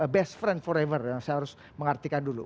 best friend forever dan saya harus mengartikan dulu